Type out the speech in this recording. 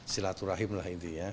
silaturahim lah intinya